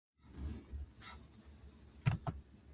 道程は遠し